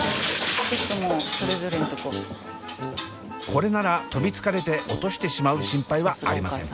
これなら飛びつかれて落としてしまう心配はありません。